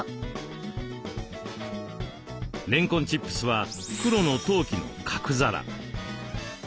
れんこんチップスは黒の陶器の角皿。